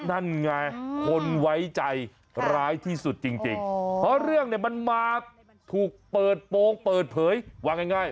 นั่นไงคนไว้ใจร้ายที่สุดจริงเพราะเรื่องเนี่ยมันมาถูกเปิดโปรงเปิดเผยว่าง่าย